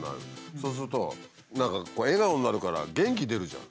そうすると何か笑顔になるから元気出るじゃん。